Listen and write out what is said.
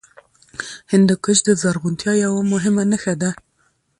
هندوکش د زرغونتیا یوه مهمه نښه ده.